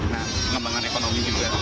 nah pengembangan ekonomi juga